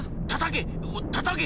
たたけ！